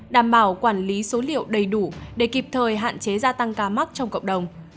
đảm bảo quản lý số liệu đầy đủ để kịp thời hạn chế gia tăng ca mắc trong cộng đồng